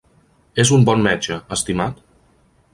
És un bon metge, estimat?